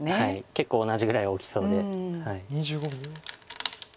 結構同じぐらい大きそうで。